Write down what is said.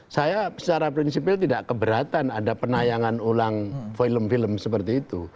saya secara prinsipil tidak keberatan ada penayangan ulang film film seperti itu